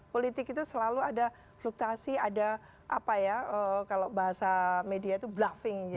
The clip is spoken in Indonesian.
politik itu selalu ada fluktasi ada apa ya kalau bahasa media itu bluffing